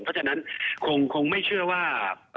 เพราะฉะนั้นคงไม่เชื่อว่า